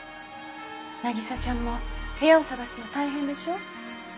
凪沙ちゃんも部屋を探すの大変でしょう？